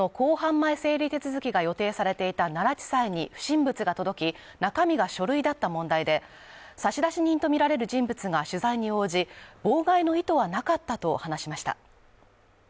前整理手続きが予定されていた奈良地裁に不審物が届き中身が書類だった問題で、差出人とみられる人物が取材に応じ、妨害の意図はなかったと話しました。